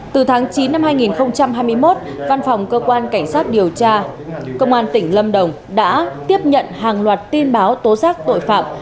từ tháng chín năm hai nghìn hai mươi một văn phòng cơ quan cảnh sát điều tra công an tỉnh lâm đồng đã tiếp nhận hàng loạt tin báo tố xác tội phạm